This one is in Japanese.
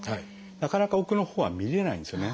なかなか奥のほうは見れないんですよね。